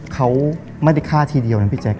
เขาไม่ได้ฆ่าทีเดียวนะพี่แจ๊